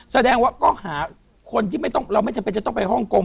แสดงว่าก็หาคนที่เราไม่จำเป็นจะต้องไปฮ่องกง